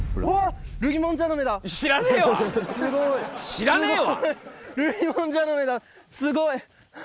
知らねえわ！